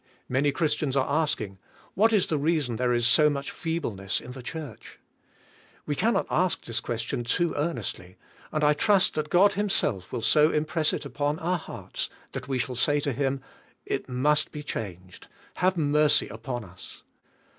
Many Christians are asking, "What is the reason there is so much feebleness in the Church?" We can not ask this question too earnestly, and I trust that God Himself will so impress it upon our hearts that we shall say to Him, "It must be changed. Have merc}? upon us."